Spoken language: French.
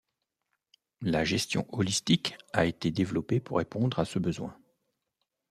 La gestion holistique a été développée pour répondre à ce besoin.